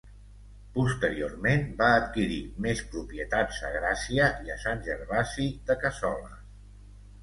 Posteriorment va adquirir més propietats a Gràcia i a Sant Gervasi de Cassoles.